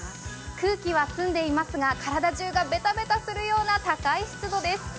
空気は澄んでいますが、体中がベタベタするような高い湿度です。